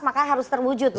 maka harus terwujud